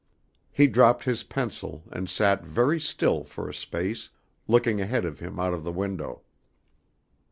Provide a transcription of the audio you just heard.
He dropped his pencil and sat very still for a space, looking ahead of him out of the window.